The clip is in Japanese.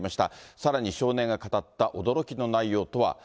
さらに少年が語った驚きの内容とは。